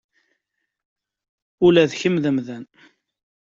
Ula d kemm d amdan.